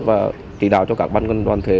và chỉ đạo cho các bán nhân đoàn thể